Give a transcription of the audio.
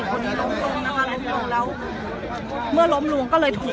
ก็ไม่มีใครกลับมาเมื่อเวลาอาทิตย์เกิดขึ้น